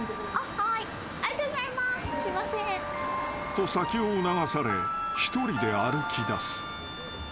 ［と先を促され一人で歩きだす］